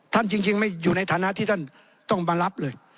จริงไม่อยู่ในฐานะที่ท่านต้องมารับเลย